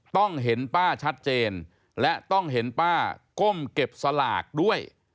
ต้องเห็นป้าชัดเจนและต้องเห็นป้าก้มเก็บสลากด้วย